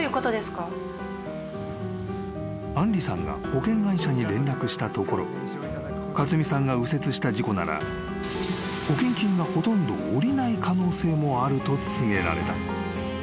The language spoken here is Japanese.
［杏梨さんが保険会社に連絡したところ勝美さんが右折した事故なら保険金がほとんど下りない可能性もあると告げられた］